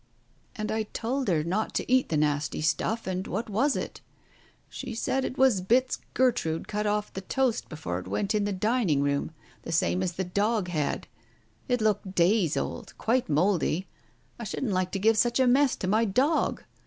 "And I told her not to eat the nasty stuff, and what was it ? She said it was bits Gertrude cut off the toast before it went in the dining room, the same as the dog had. It looked days old — quite mouldy. I shouldn't like to give such a mess to my dog.